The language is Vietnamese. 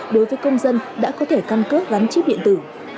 đối với công dân đã có thể căn cước gắn chip điện tử